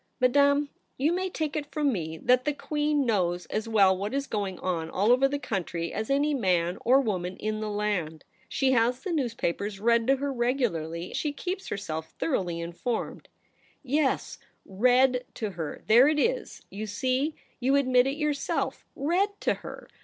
' Madame, you may take it from me that the Queen knows as well what is going on all over the country as any man or woman in the land. She has the newspapers read to her regularly ; she keeps herself thoroughly informed.' ' Yes, read to her — there it is, you see ; you admit it yourself. Read to her